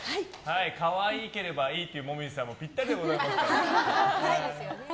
可愛ければいいという紅葉さんにはぴったりでございますので。